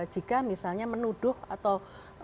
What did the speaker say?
jika misalnya menuduh atau